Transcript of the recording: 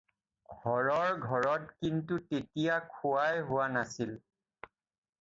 হৰৰ ঘৰত কিন্তু তেতিয়া খোৱাই হোৱা নাছিল।